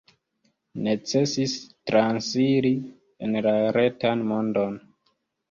Necesis transiri en la retan mondon.